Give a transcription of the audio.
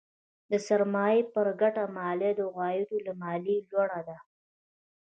د سرمایې پر ګټه مالیه د عوایدو له مالیې لوړه ده.